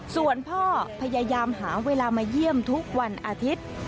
ส่วนพ่อพยายามหาเวลามาเยี่ยมทุกวันอาทิตย์